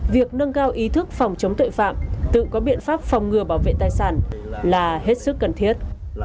việc nâng cao ý thức phòng chống tội phạm tự có biện pháp phòng ngừa bảo vệ tài sản là hết sức cần thiết